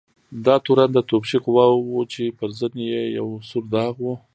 دا تورن د توپچي قواوو و چې پر زنې یې یو سور داغ و.